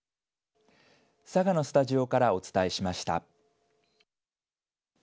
佐賀のスタジオからお伝えしました。